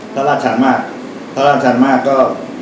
ถ้าลาดชันมากถ้าลาดชันมากก็